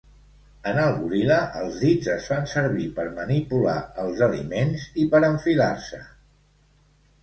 En el goril·la, els dits es fan servir per manipular els aliments i per enfilar-se.